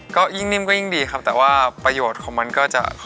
ก็ยิ่งนิ่มก็ยิ่งดีครับแต่ว่าประโยชน์ของมันก็จะ